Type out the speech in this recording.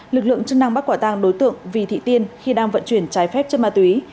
lực lượng chức năng bắt quả tang đối tượng vì thị tiên khi đang vận chuyển trái phép chất ma túy